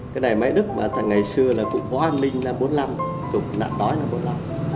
cái này máy đức mà ngày xưa là cụ hoa minh năm bốn mươi năm chụp nặng đói năm bốn mươi năm